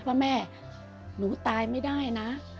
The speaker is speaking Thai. ว่าแม่หนูตายไม่ได้นะ